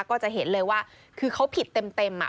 ก็จะเห็นเลยว่าคือเขาผิดเต็ม